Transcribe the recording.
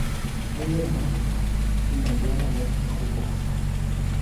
Muy aromática y medianamente jugosa.